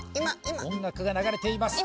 音楽が流れています